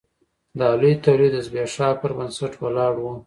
دا لوی تولید د ځبېښاک پر بنسټ ولاړ و.